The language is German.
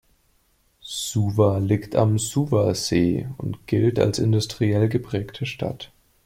Suwa liegt am Suwa-See und gilt als industriell geprägte Stadt.